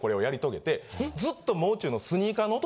ずっと。